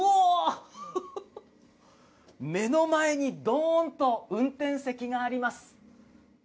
目の前にドーンと運転席があります。